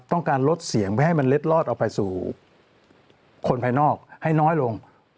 ต้องการลดเสียงเพื่อให้มันเล็ดลอดออกไปสู่คนภายนอกให้น้อยลง